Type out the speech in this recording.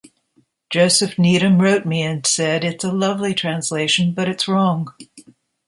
Joseph Needham wrote me and said "It's a lovely translation, but it's wrong".